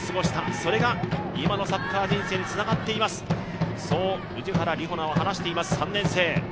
それが今のサッカー人生につながっています、そう氏原里穂菜は話しています。